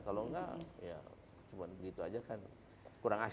kalau enggak ya cuma begitu aja kan kurang asli